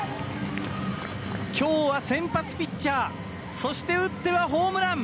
今日は先発ピッチャーそして打ってはホームラン。